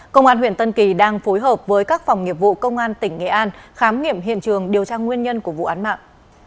công an huyện tân kỳ đang phối hợp với các phòng nghiệp vụ công an tỉnh nghệ an khám nghiệm hiện trường điều tra nguyên nhân của vụ án mạng